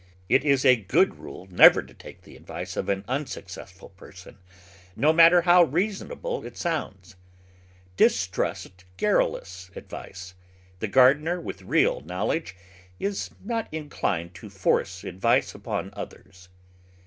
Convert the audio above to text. It is a good rule never to take the advice of an unsuccessful person, no matter how reasonable it sounds. Distrust garrulous advice; the gardener with real knowledge is not inclined to force advice upon others.